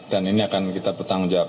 dan ini akan kita bertanggung jawab